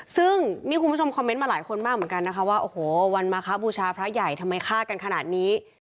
ซึ่งนี่คุณผู้ชมคอมเมนต์มาหลายคนมากเหมือนกันนะคะว่าโอ้โหวันมาคะบูชาพระใหญ่ทำไมฆ่ากันขนาดนี้